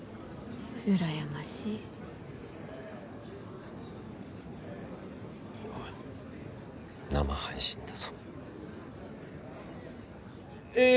うらやましいおい生配信だぞえ